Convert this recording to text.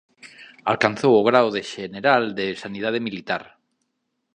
Alcanzou o grao de xeneral de Sanidade Militar.